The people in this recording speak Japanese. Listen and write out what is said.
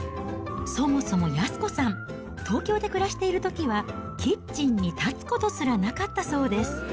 そもそも靖子さん、東京で暮らしているときは、キッチンに立つことすらなかったそうです。